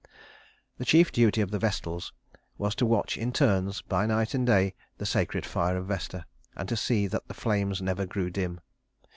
The chief duty of the Vestals was to watch in turns, by night and day, the sacred fire of Vesta, and to see that the flames never grew dim.